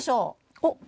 おっ！